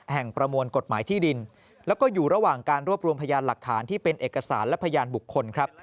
ประมวลกฎหมายที่ดินแล้วก็อยู่ระหว่างการรวบรวมพยานหลักฐานที่เป็นเอกสารและพยานบุคคลครับ